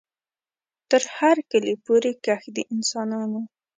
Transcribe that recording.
تر هر کلي پوري کښ د انسانانو